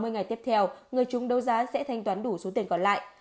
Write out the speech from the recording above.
ba mươi ngày tiếp theo người chúng đấu giá sẽ thanh toán đủ số tiền còn lại